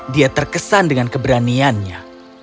dia terkesan dengan keberaniannya